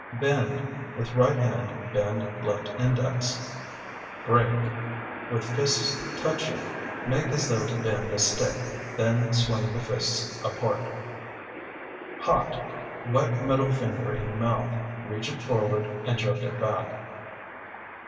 Bend (With right hand bend left index). Break (With fists touching, make as though to bend a stick, then swing the fists apart). Hot (Wet middle finger in mouth, reach it forward and jerk it back).